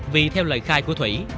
vì theo lời khai của thủy